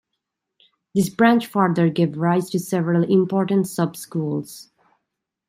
This branch further gave rise to several important sub-schools.